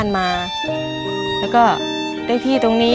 เมื่อ